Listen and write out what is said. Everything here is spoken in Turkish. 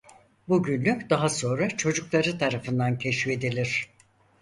Bu günlük daha sonra çocukları tarafından keşfedilir.